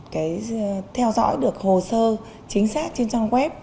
cái theo dõi được hồ sơ chính xác trên trang web